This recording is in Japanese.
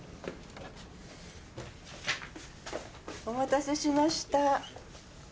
お待たせしました。